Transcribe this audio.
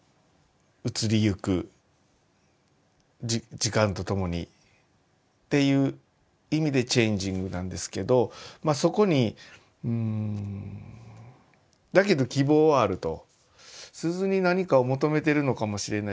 移りゆく時間とともにっていう意味でチェンジングなんですけどまあそこにんだけど希望はあると。